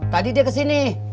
tadi dia kesini